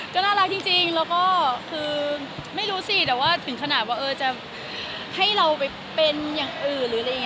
ก็น่ารักจริงแล้วก็คือไม่รู้สิแต่ว่าถึงขนาดว่าเออจะให้เราไปเป็นอย่างอื่น